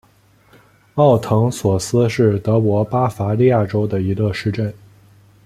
奥滕索斯是德国巴伐利亚州的一个市镇。